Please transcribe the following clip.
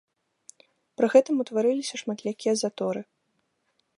Пры гэтым ўтварыліся шматлікія заторы.